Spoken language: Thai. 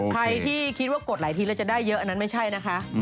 ใครที่คิดว่ากดหลายทีแล้วจะได้เยอะอันนั้นไม่ใช่นะคะ